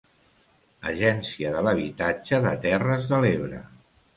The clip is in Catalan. Agència de l'Habitatge de Terres de l'Ebre.